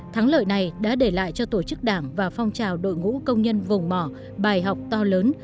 thắng lợi này đã để lại cho tổ chức đảng và phong trào đội ngũ công nhân vùng mỏ bài học to lớn